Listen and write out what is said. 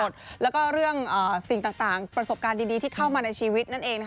รู้แปลกตาไปหมดแล้วก็เรื่องสิ่งต่างประสบการณ์ดีที่เข้ามาในชีวิตนั่นเอง